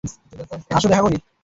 আসো দেখা করি।